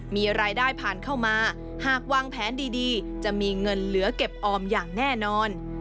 มีรายได้ผ่านเข้ามาหากวางแผนดีจะมีเงินเหลือเก็บออมอย่างแน่นอน